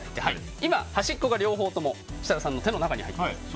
今、端っこが両方とも設楽さんの手の中に入っています。